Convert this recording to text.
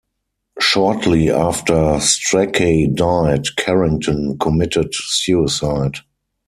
Shortly after Strachey died, Carrington committed suicide.